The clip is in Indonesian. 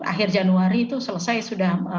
akhir januari itu selesai sudah